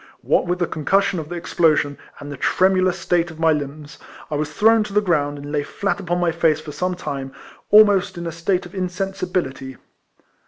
What with the concussion of the explosion, and the tremulous state of my limbs, I was thrown to the ground, and lay flat upon my face for some time, almost in a state of insensibility.